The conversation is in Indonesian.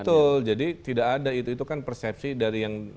betul jadi tidak ada itu kan persepsi dari yang